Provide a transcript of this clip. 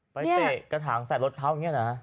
ไปเตะกระถางใส่รถเท้าแบบนี้นะ